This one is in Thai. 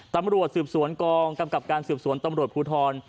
ตำรวจสืบสวนกองกำกับการสืบสวนตำรวจภูทร